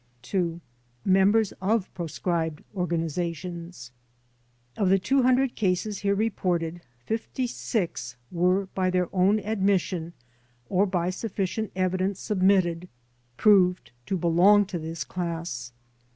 2. Members of Proscribed Organizations Of the 200 cases here reported, 56 were by their own admission or by sufficient evidence submitted, proved to belong to this class.